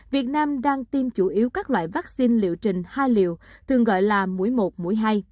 việt nam đang tiêm chủ yếu các loại vaccine liệu trình hai liệu thường gọi là mũi một mũi hai